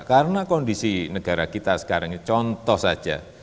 karena kondisi negara kita sekarang ini contoh saja